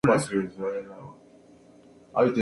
Se dedica al coleccionismo de arte.